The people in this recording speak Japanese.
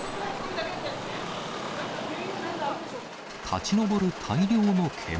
立ち上る大量の煙。